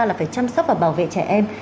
là phải chăm sóc và bảo vệ trẻ em